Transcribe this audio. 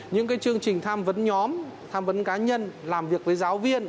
những chương trình tham vấn nhóm tham vấn cá nhân làm việc với giáo viên